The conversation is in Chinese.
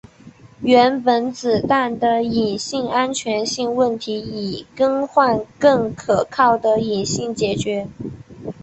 原本子弹的引信安全型问题以更换更可靠的引信解决。